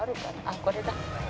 あっこれだ。